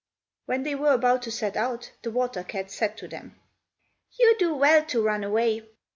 When they were about to set out, the water cat said to them, "You do well to run away.